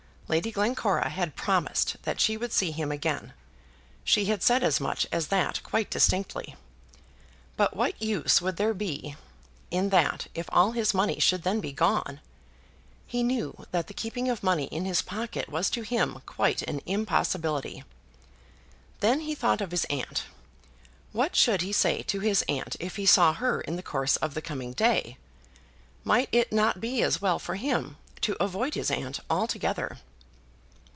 Lady Glencora had promised that she would see him again. She had said as much as that quite distinctly. But what use would there be in that if all his money should then be gone? He knew that the keeping of money in his pocket was to him quite an impossibility. Then he thought of his aunt. What should he say to his aunt if he saw her in the course of the coming day? Might it not be as well for him to avoid his aunt altogether?